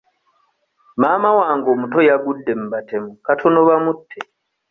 Maama wange omuto yagudde mu batemu katono bamutte.